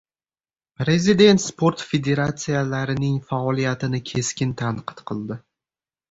Prezident sport federatsiyalarining faoliyatini keskin tanqid qildi